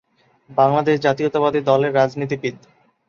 বাংলাদেশ জাতীয়তাবাদী দলের রাজনীতিবিদ।